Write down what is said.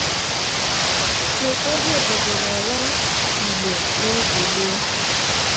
N'ụfọdụ obodo n'ala Igbo n'oge gboo